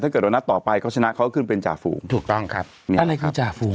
เกิดเรานัดต่อไปเขาชนะเขาขึ้นเป็นจ่าฝูงถูกต้องครับนี่อะไรคือจ่าฝูง